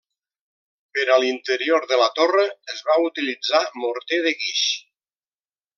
Per a l'interior de la torre es va utilitzar morter de guix.